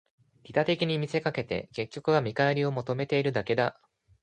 利他的に見せかけて、結局は見返りを求めているだけだ